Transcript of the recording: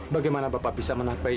bagaimana bapak bisa menatapai